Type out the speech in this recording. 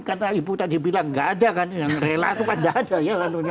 karena ibu tadi bilang nggak ada kan yang rela